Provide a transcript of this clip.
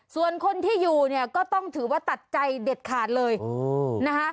ส่วนคนที่อยู่เนี่ยก็ต้องถือว่าตัดใจเด็ดขาดเลยนะคะ